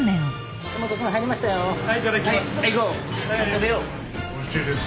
はいいただきます。